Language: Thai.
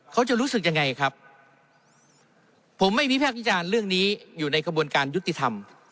เขาจะรู้สึกยังไงครับผมไม่มีภาควิจารณ์เรื่องนี้อยู่ในกระบวนการยุติธรรม